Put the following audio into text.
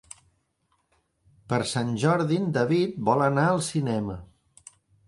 Per Sant Jordi en David vol anar al cinema.